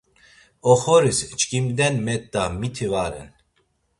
Oxoris çkimden met̆a miti va ren.